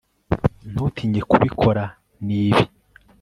ntutinyuke kubikora nibi